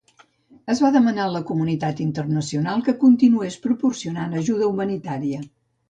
Es va demanar a la comunitat internacional que continués proporcionant ajuda humanitària.